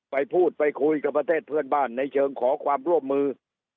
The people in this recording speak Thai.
ไปพูดไปคุยกับประเทศเพื่อนบ้านในเชิงขอความร่วมมือ